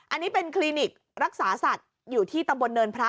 อันนี้เป็นคลินิกรักษาสัตว์อยู่ที่ตำบลเนินพระ